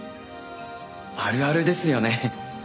あるあるですよね。